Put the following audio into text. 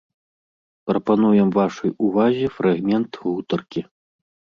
Прапануем вашай увазе фрагмент гутаркі.